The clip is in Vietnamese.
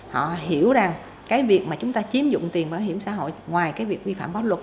họ hiểu rằng cái việc mà chúng ta chiếm dụng tiền bảo hiểm xã hội ngoài cái việc vi phạm pháp luật